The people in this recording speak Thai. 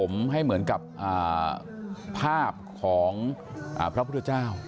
ผมให้เหมือนกับภาพของพระพุทธเจ้า